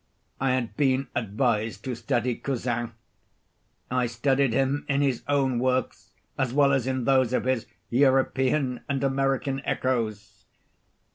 I had been advised to study Cousin. I studied him in his own works as well as in those of his European and American echoes.